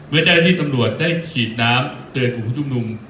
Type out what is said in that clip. เมื่อที่ตำรวจได้ฉีดน้ำเตือนผู้ชุมนุม